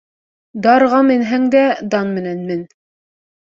Дарға менһәң дә, дан менән мен.